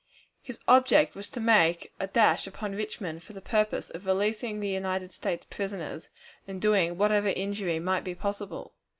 His object was to make a dash upon Richmond for the purpose of releasing the United States prisoners, and doing whatever injury might be possible.